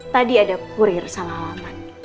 tadi ada kurir sama awaman